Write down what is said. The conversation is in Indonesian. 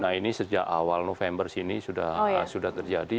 nah ini sejak awal november sini sudah terjadi